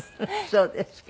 そうですか。